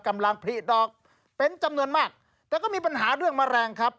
กำลังผลิดอกเป็นจำนวนมากแต่ก็มีปัญหาเรื่องแมลงครับ